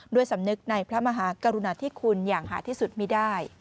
สำนึกในพระมหากรุณาธิคุณอย่างหาที่สุดมีได้